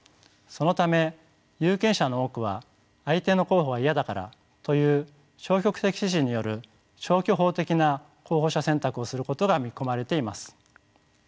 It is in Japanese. そのため有権者の多くは相手の候補が嫌だからという消極的支持による消去法的な候補者選択をすることが見込まれています。